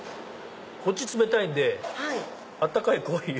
こっち冷たいんで温かいコーヒーを。